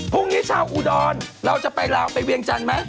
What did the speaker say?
พวกนี้ชาวอุดรเราจะไปลาวไปเวียงจันทร์ไหม